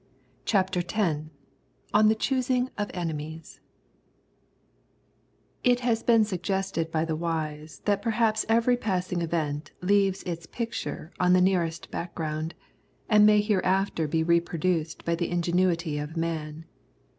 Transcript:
CHAPTER X ON THE CHOOSING OF ENEMIES It has been suggested by the wise that perhaps every passing event leaves its picture on the nearest background, and may hereafter be reproduced by the ingenuity of man.